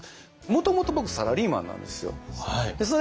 もともと僕サラリーマンなんですよ。はい。